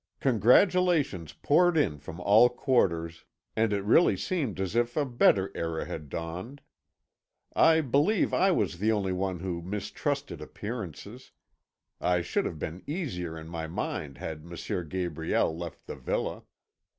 Congratulations poured in from all quarters, and it really seemed as if a better era had dawned. I believe I was the only one who mistrusted appearances; I should have been easier in my mind had M. Gabriel left the villa.